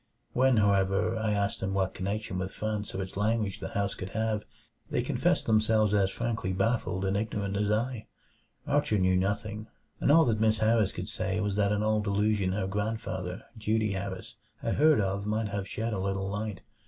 When, however, I asked them what connection with France or its language the house could have, they confessed themselves as frankly baffled and ignorant as I. Archer knew nothing, and all that Miss Harris could say was that an old allusion her grandfather, Dutee Harris, had heard of might have shed a little light.